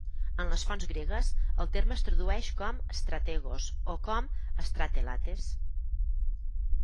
En les fonts gregues, el terme es tradueix com "strategos" o com "stratelates".